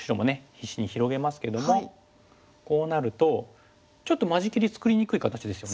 必死に広げますけどもこうなるとちょっと間仕切り作りにくい形ですよね。